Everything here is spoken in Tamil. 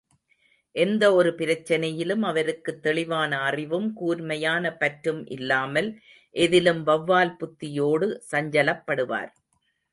எந்த ஒரு பிரச்னையிலும் அவருக்குத் தெளிவான அறிவும், கூர்மையான பற்றும் இல்லாமல் எதிலும் வௌவால் புத்தியோடு சஞ்சலப்படுவார்.